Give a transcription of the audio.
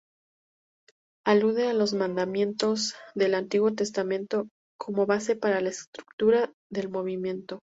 Alude a los mandamientos del Antiguo Testamento, como base para la estructura del movimiento.